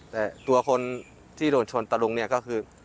แต่ตัวคนที่โดนชนตะลุงเนี่ยก็คือ